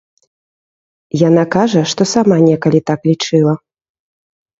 Яна кажа, што сама некалі так лічыла.